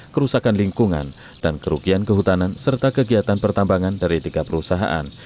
kerusakan lingkungan dan kerugian kehutanan serta kegiatan pertambangan dari tiga perusahaan